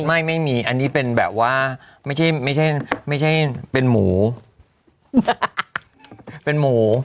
ไม่มีอันนี้เป็นแบบว่าไม่ใช่ไม่ใช่เป็นหมูเป็นหมู